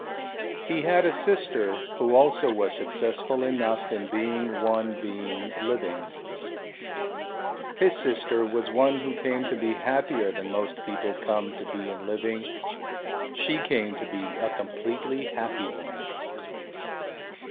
He had a sister who also was successful enough in being one being living. His sister was one who came to be happier than most people come to be in living. She came to be a completely happy one.